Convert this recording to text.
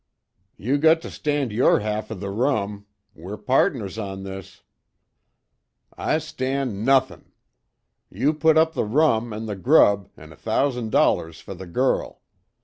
"You got to stand your half o' the rum. We're pardners on this." "I stand nothin'. You put up the rum, an' the grub, an' a thousan' dollars fer the girl.